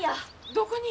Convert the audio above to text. どこに？